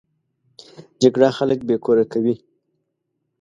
جګړه خلک بې کوره کوي